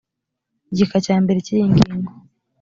igika cya mbere cy’ iyi ngingo